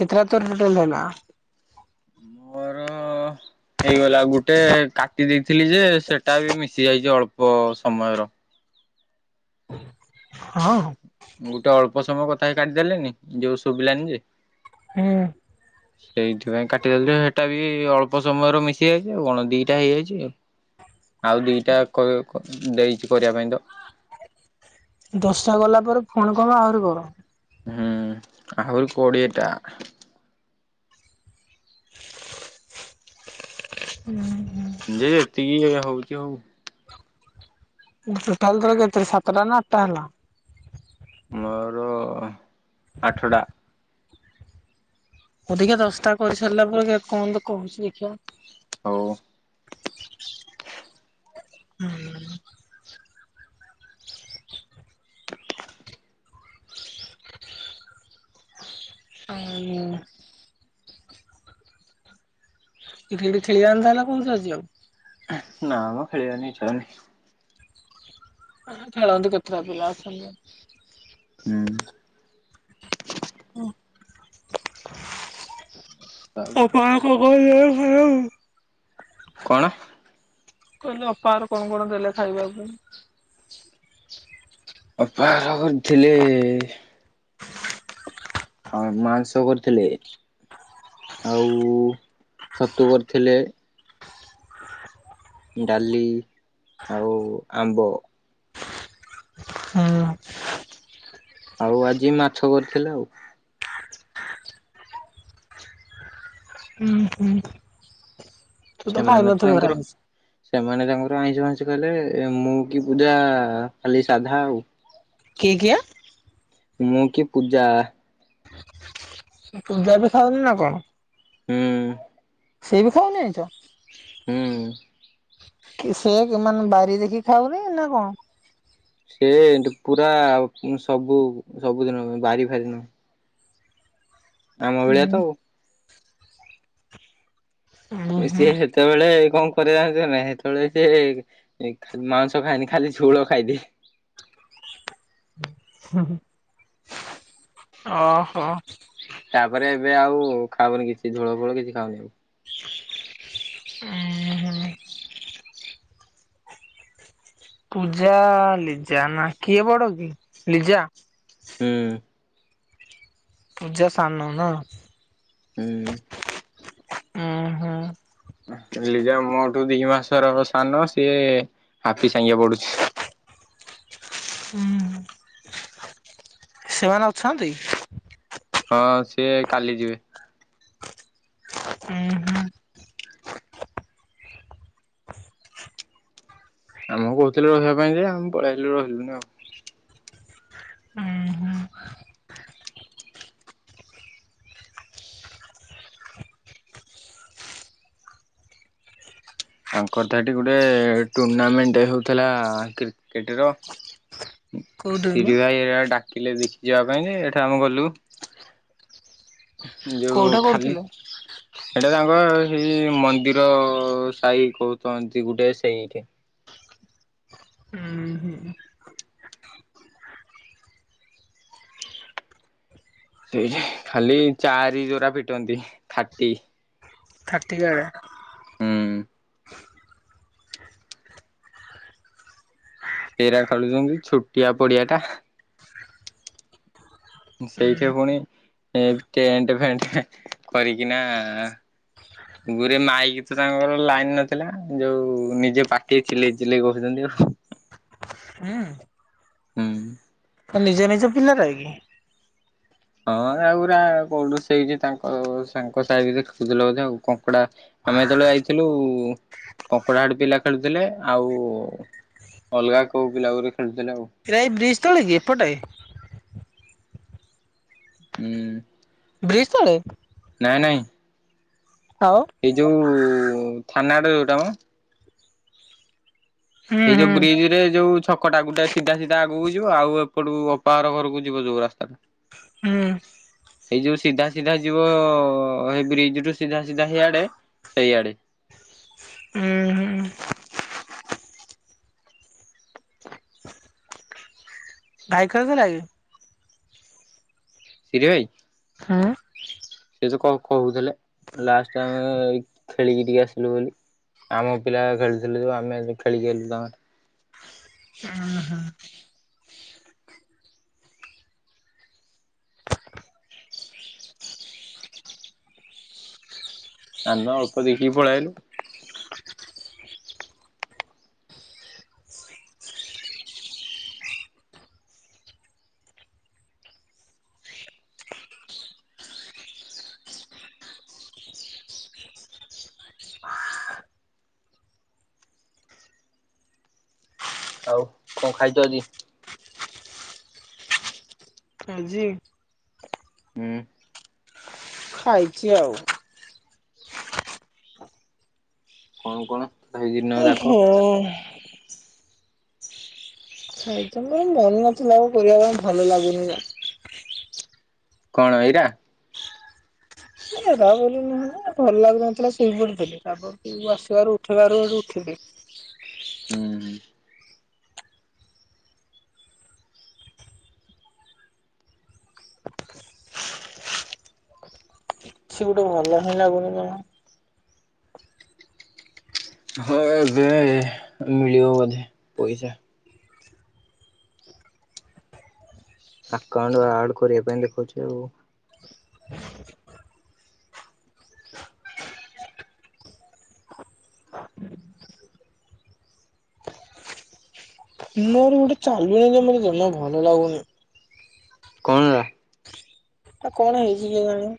କିତିନାଦୂର hotel ହେନାଁ [unintelligible] ଟା ହଁ [inaudible] ହେଇଗଲା ଗୁଟେ କାଟି ଦେଇଥିଲି ଯେ ସେଟା ବି ମିଶି ଯାଇଚି ଅଳ୍ପ ସମୟର। ହଁ ହଁ। ଗୋଟେ ଅଳ୍ପ ସମୟ କଥା ହେଇ କାଟିଦେଲେନି ଯୋଉ ଶୁବିଲାନି ଯେ। ହୁଁଉଁ। ସେଇଥିପାଇଁ କାଟିଦେଲି ଯେ ହେଟା ବି ଅଳ୍ପ ସମୟର ମିଶି ଯାଇଚି ଆଉ କଣ ଦିଟା ହେଇଯାଇଚି ଆଉ। ଆଉ ଦିଇଟା କଅ କ ଦେଇଚି କରିଆ ପାଇଁ ତ। ଦଶଟା ଗଲା ପରେ ଫୁଣି କଣ ଆହୁରି କର? ହୁଁ ଆହୁରି କୋଡ଼ିଏଟା। ଉଁ ହୁଁ। ଯେ ଏତିକି ୟେ ହଉଚି ହଉ। ଟୋଟାଲ୍ ତୋର କେତେ ସାତଟା ନା ଆଟା ହେଲା? ମୋର ଅ ଆଠଟା। ଅଧିକା ଦଶଟା କରି ସାରିଲା ପରେ କଁ ତ କହୁଛି ଦେଖିବା। ହଉ। ହୁଁଉଁ। ଆଉ ମୁଁ। ଏଠି ଏଇଠି ଖେଳି [unintelligible] ନା ମ ଖେଳିବାନି ଇଛା ହଉନି। ଖନ୍ଦ ହତ ଆଥିଲା ଆ ସମୟ [unintelligible] ହୁଁ [inaudible] ଅପା କକ ଖଉ [unintelligible] କଣ? କହିଲେ ଅପା ଘର କଣ କଣ ଦେଲେ ଖାଇବାକୁ? ଅପା ଘର କରିଥିଲେ ହଁ ମାଂସ କରିଥିଲେ ଆଉ ଛତୁ କରିଥିଲେ। ଡାଲି ଆଉ ଆମ୍ବ। ହୁଁ। ଆଉ ଆଜି ମାଛ କରିଥିଲେ ଆଉ। ଉଁ ହୁଁ। ତୁ ସେମାନେ ତ ଖାଇନଥିବୁ ଘରେ ତାଙ୍କର। ଆଇଁଷ। ସେମାନେ ତାଙ୍କର ଆଇଁଷ ଫାଇଁଷ ଖାଇଲେ ମୁଁ କି ପୂଜା ଖାଲି ସାଧା ଆଉ। କିଏ କିଏ? ମୁଁ କି ପୂଜା। ଏ ପୂଜା ବି ଖାଉନି ନା କଣ? ହୁଁ। ସିଏ ବି ଖାଉନି ଆଇଁଷ। ହୁଁ କି ସେୟା କି ମାନେ ବାରି ଦେଖି ଖାଉନି ନା କଣ। ସିଏ ଏମତି ପୁରା ଆଉ ସବୁ ସବୁଦିନ ବାରି ଫାରିି ନୁହଁ। ଆମ ଭଳିଆ ହୁଁ ତ ଆଉ। ଉଁ ହୁଁ ସିଏ ସେତେବେଳେ କଣ କରିବ ଜାଣିଛୁ ନା ସେତେବେଳେ ସିଏ। ଏ ଖାଲି ମାଉଂସ ଖାଏନି ଖାଲି ଝୋଳ ଖାଇଦିଏ। ହୁଁ ହୁଁ। ଅହୋ। ତାପରେ ଏବେ ଆଉ ଖାଉନି କିଛି ଝୋଳ ଫୋଳ କିଛି ଖାଉନି ଆଉ। ଉଁ ହୁଁ। ପୂଜା ଲିଜା ନା କିଏ ବଡ କି ଲିଜା? ହୁଁ। ପୂଜା ସାନ ନା। ହୁଁ। ଉଁ ହୁଁ। ଲିଜା ମୋଠୁ ଦି ମାସର ହବ ସାନ ସିଏ ହାପି ସାଙ୍ଗେ ପଡୁଛି। ହୁଁ। ସେମାନେ ଅଛନ୍ତି। ହଁ ସିଏ କାଲି ଯିବେ। ଉଁ ହୁଁ। ଆମକୁ କହୁଥିଲେ ରହିବା ପାଇଁ ଯେ ଆମେ ପଳେଇଲେ ରହିଲୁନି ଆଉ। ଉଁ ହୁଁ। ତାଙ୍କର ତ ଏଠି ଗୋଟେ ଟୁର୍ଣ୍ଣାମେଣ୍ଟ ହେଉଥିଲା କ୍ରିକେଟ ର। [unintelligible] ମ ସିରି ଭାଇ ଘରିକା ଡାକିଲେ ଦେଖି ଯିବା ପାଇଁ ଯେ ଏଠୁ ଆମେ ଗଲୁ। ଯୋଉ କୋଉଠା ଖାଲି କରୁଥିଲେ ସେଟା ତାଙ୍କ ସେଇ ମନ୍ଦିର। ସାଇ କହୁତନ୍ତି ଗୁଡାଏ ସେଇଠେ। ଉଁ ହୁଁ। ସେଇଠି ଖାଲି ଚାରି ଯୋଉରା ପିଟନ୍ତି ଥା୍ର୍ଟି। ଥାର୍ଟିଂ କାରେ। ହୁଁ। ସେରା ଖେଳୁଛନ୍ତି ଛୁଟିଆ ପଡିଆ ଟା। ସେଇଠି ପୁଣି ଏ ଟେଣ୍ଟ ଫେଣ୍ଟ କରିକିନା। ଗୁରେ ମାଇକି ତ ତାଙ୍କର ଲାଇନ ନଥିଲା ଯୋଉ ନିଜ ପାଟିରେ ଚିଲେଇ ଚିଲେଇ କହୁଛନ୍ତି ଆଉ ହୁଁ। ହୁଁ ତ ନିଜେ ନିଜ ପିଲାରା କି? ହଁ ଆଉ ଗୁରା କୌଣଷି ସେଇଟି ତାଙ୍କ ସାହିରେ ଦେଖୁଥିଲେ ବୋଧେ ଆଉ କଙ୍କଡା ଆମେ ଯେତେବେଳେ ଆଇଥିଲୁ। କଙ୍କଡ଼ା ସେଠି ପିଲା ଖେଳୁଥିଲେ ଆଉ ଅଲଗା କହୁ ପିଲା ବୋଧେ ଖେଳୁଥିଲେ ଆଉ। କ୍ରେ ବ୍ରିଜ୍ ତଳେ କି ଏପଟେ? ହୁଁ। ବ୍ରିଜି ତଳେ। ନାଇଁ ନାଇଁ? ଆଉ। ଏ ଯୋଉ ଥାନାରେ ଯୋଉଟା ମ। ହୁଁ ଏଇ ଯୋଉ ହୁଁ ବ୍ରିଜି ରେ ଯୋଉ ଛକଟା ଗୋଟେ ସିଧା ସିଧା ଆଗକୁ ଯିବ। ଆଉ ଏପଟୁ ଅପା ଘରକୁ ଯିବ ଯୋଉ ରାସ୍ତାଟା। ହୁଁ। ଏଇ ଯୋଉ ସିଧା ସିଧା ଯିବ। ଏଇ ବ୍ରିଜି ରୁ ସିଧା ସିଧା ହେଇଆଡ଼େ ସେଇଆଡେ। ହୁଁ ହୁଁ। [unintelligible] ସାଇକେଲ ଥିଲା କି? ଶିରି ଭାଇ। ହୁଁ। ସେ ଯଉ କ କହୁଥିଲେ ଲାଷ୍ଟ ଟାଇମି ରେ ଖେଳିକି ଟିକେ ଆସିଲୁ ବୋଲି। ଆମ ପିଲା ଖେଳୁଥିଲୁ ଯେଉ ଆମେ ଖେଳିକି ଆଇଲୁ ତାମର। ହଁ। ଆନ୍ଦ ଅଳ୍ପ ଦେଖି ପଳି ଆଇଲୁ। ଆଉ କ ଖାଇଚ ଆଜି? ଆଜି। ହୁଁ। ଖାଇଚି ଆଉ। କଣ କଣ ଆଜି ଦିନ ଯାକ। ଓଁ। ଖାଇ ତ ନାଇଁ ମନ ନଥିଲା ପିଇବା ପାଇଁ ଭଲ ଲାଗୁନି ନା। କ ଣ ଏଇଟା? ଏ ତା ବୋଲି ନୁହେଁ ଭଲ ଲାଗୁନଥିଲା ସୁବୁଡୁ ଦବା ତାକୁ। ତୁ ଆସିବାରୁ ଉଠେଇବାରୁ ଏଠି ଉଠିଲି। ହୁଁ। ସିଏ ଗୋଟେ ଭଲ ହେଲା ବୋଲି ନୁହଁ। ହଁ ବେ ମିଳିବ ବଧେ ପଇସା। ଆକାଉଣ୍ଡୁ ଆଡ କରିବା ପାଇଁ ଲେଖାଉଛି ଆଉ। ମୋର ଗୋଟେ ଚାଲୁନି ଯେ ମୋର ଜମା ଭଲ ଲାଗୁନି। କଣ ରା? ଆ କଣ ହେଇଛି କେ ଜାଣି।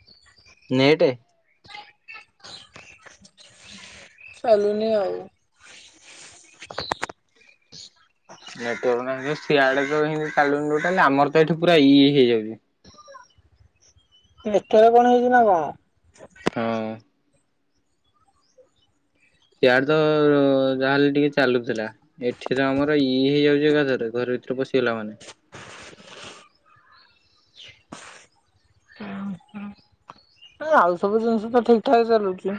ନେଟେ। ଚାଲୁନି ଆଉ। ନେଟୱାର ନାହିଁ ଯୋଉ ସିଆଡେ ତ ଚାଲୁନି ଟୋଟାଲି ଆମର ତ ଏଠି ପୁରା ଇ ହେଇଯାଉଛି। ନେଟୱାରେ କଣ ହେଇଛି ନା କଣ? ହଁ। ସିଆଡେ ତ ଯାହାହେଲେ ଟିକେ ଚାଲୁଥିଲା। ଏଠି ତ ଆମର ଇ ହେଇଯାଉଛି ଏକା ଥରେ ଘରେ ଭିତରେ ପଶିଗଲା ମାନେ। ଆଉ ସବୁ ଜିନିଷ ତ ଠିକ୍ ଠାକ୍ ଚାଲୁଛି।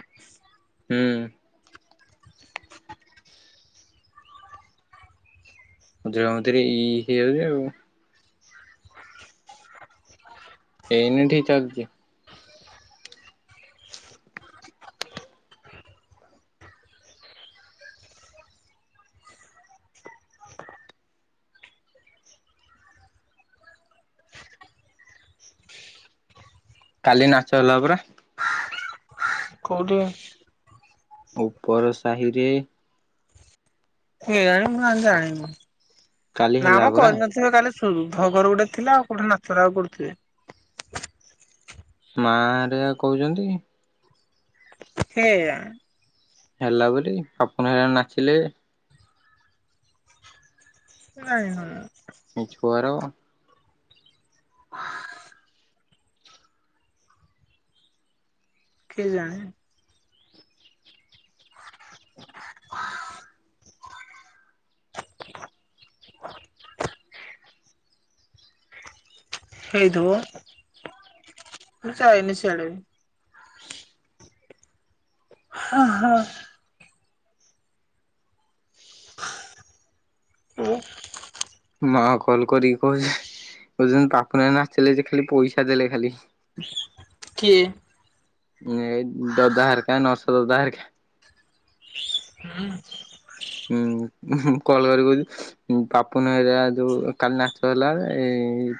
ହୁଁ। [inaudible] ଏଇନେ ଠିକ୍ ଚାଲଚି। କାଲି ନାଚ ହେଲା ପୁରା। କଉଠି? ଉପର ସାହିରେ। କେଜାଣି ମୁଁ ଆଉ ଜାଣିନୁ କାଲି ହେଲା ନାମ ପରା। କରିନଥିବେ କାଲି। ସୁଧ ଘର ଗୋଟେ ଥିଲା [unintelligible] ନାଚ କରୁଥିଲେ। ମାରେଆ କହୁଛନ୍ତି ସେଇୟା। ହେଲା ବୋଲି ପାପୁନା ହେଲା ନାଚିଲେ। [inaudible] [unintelligible] ପାଆର୍। କିଏ ଜାଣେ। ହେଇଥବ ମୁଁ ଯାଇନି ସିଆଡେ। ହଁ-ହଁ। [unintelligible] ମା କଲ୍ କରିକି କହୁଚି [unintelligible] ପାପୁନା ନାଚିଲେ ଯେ ଖାଲି ପଇସା ଦେଲେ ଖାଲି କିଏ? ଏଇ ଦଦା ହରକା ନସ ଦଦାହାରକା। ହୁଁ। ହୁଁ କଲ୍ କରି କହୁିଚି ପାପୁନା ହେରା ଯୋଉ କାଲି ନାଚ ହେଲା ଏ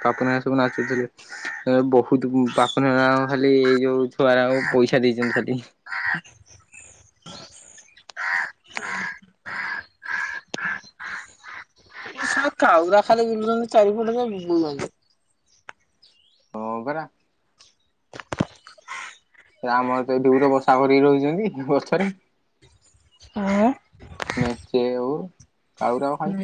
ପାପୁନା ଗୁରା ସବୁ ନାଚୁଥିଲେ। ବହୁତୁ ପାପୁନା ଖାଲି ଏଇ ଯୋଉ ଛୁଆର ପଇସା ଦେଇଛନ୍ତି ଖାଲି ଆ ହ କାଉ ଗୁରା ଖାଲି ବୁଲୁଛନ୍ତି ଚାରିପଟ ଯାକ [unintelligible] ହଁ ପରା। ଆମର ତ ଏଇଠି ଗୋଟେ ବସା କରିକି ରହିଛନ୍ତି ଗଛରେ। ହଁ। ମେଚେ ଆଉ କାଉ ଗୁରା ଖାଲି।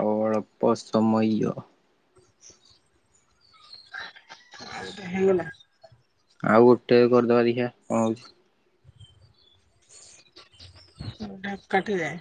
ଆଉ ଅଳ୍ପ ସମୟ। [unintelligible] ହେଇଗଲା। ଆଉ ଗୋଟେ କରିଦବା ଦେଖିଆ କଣ ହଉଛି। ଡା କାଟିଦେ।